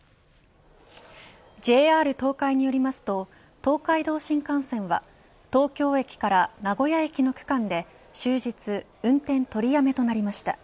ＪＲ東海によりますと東海道新幹線は東京駅から名古屋駅の区間で終日運転取りやめとなりました。